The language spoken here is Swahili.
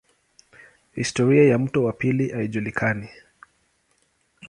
Historia ya mto wa pili haijulikani.